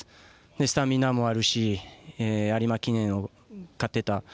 スタミナもあるし有馬記念を勝ってた。